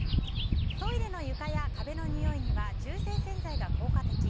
トイレの床や壁のにおいには中性洗剤が効果的。